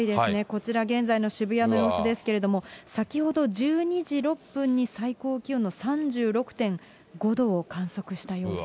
こちら、現在の渋谷の様子ですけれども、先ほど１２時６分に最高気温の３６．５度を観測したようです。